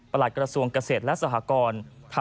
หลักกระทรวงเกษตรและสหกร